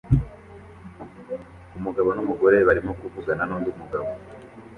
Umugabo numugore barimo kuvugana nundi mugabo